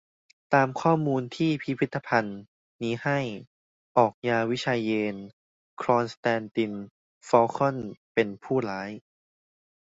ตามข้อมูลที่พิพิธภัณฑ์นี้ให้ ออกญาวิไชเยนทร์ คอนสแตนติน ฟอลคอน เป็นผู้ร้าย